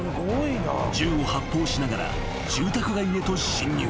［銃を発砲しながら住宅街へと侵入］